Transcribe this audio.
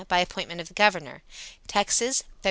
by appointment of the Governor. Tex., Feb.